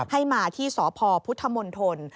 ให้มาที่สพพุทธมณฑล